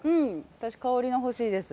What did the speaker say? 私かおり野欲しいです。